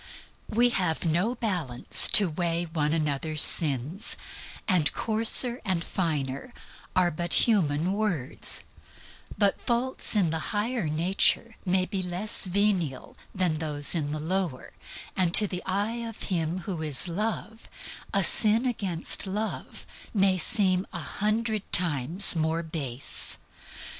We have no balance to weigh one another's sins, and coarser and finer are but human words; but faults in the higher nature may be less venal than those in the lower, and to the eye of Him who is Love, a sin against Love may seem a hundred times more base.